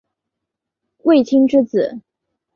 卫青之子。